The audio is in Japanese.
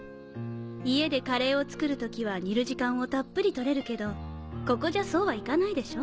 家でカレーを作る時は煮る時間をたっぷり取れるけどここじゃそうはいかないでしょ？